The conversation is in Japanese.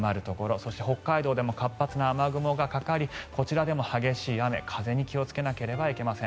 そして北海道でも活発な雨雲がかかりこちらでも激しい雨、風に気をつけなければいけません。